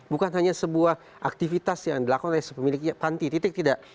bukan hanya sebuah aktivitas yang dilakukan oleh pemilik panti titik tidak